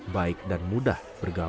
baik dan mudah bergaul